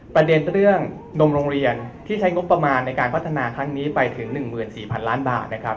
ประเด็นเรื่องนมโรงเรียนที่ใช้งบประมาณในการพัฒนาครั้งนี้ไปถึง๑๔๐๐๐ล้านบาทนะครับ